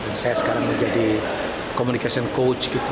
dan saya sekarang menjadi communication coach